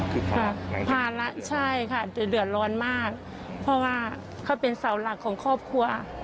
ภาระใช่ค่ะจะเดือดร้อนมากเพราะว่าเขาเป็นเสาหลักของครอบครัว